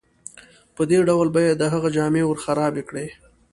په دې ډول به یې د هغه جامې ورخرابې کړې.